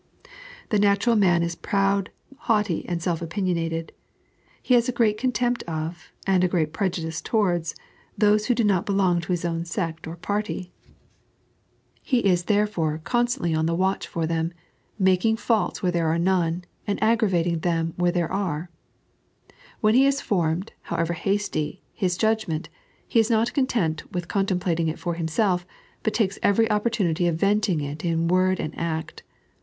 The natural man is proud, haughty, and self opinionated. He has a great contempt of, and a great prejudice towards, those who do not belong to his own sect or party. He is. 3.n.iized by Google 166 "To Them that ahe Without." therefore, constADtl; on the wat«h for them, nuLVing faults where there are none, and aggravating them where they are. When he haa formed, however hastily, his judgment, he is not content with contemplating it for himself, but takes every opportunity of venting it in word and act.